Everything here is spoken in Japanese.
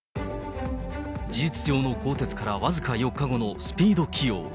事実上の更迭から僅か４日後のスピード起用。